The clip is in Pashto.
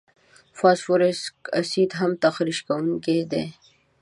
فاسفوریک اسید هم تخریش کوونکي دي.